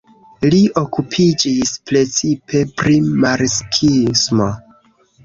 Li okupiĝis precipe pri marksismo.